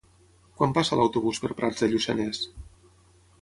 Quan passa l'autobús per Prats de Lluçanès?